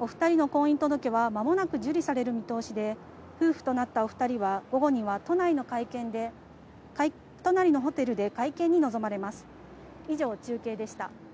お２人の婚姻届は間もなく受理される見通しで、夫婦となったお２人は午後には都内のホテルで会見に臨まれます。